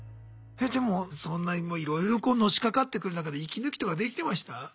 でもそんないろいろのしかかってくる中で息抜きとかできてました？